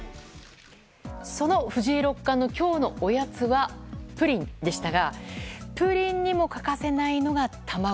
その藤井六冠の今日のおやつはプリンでしたがプリンにも欠かせないのが卵。